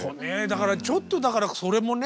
ちょっとだからそれもね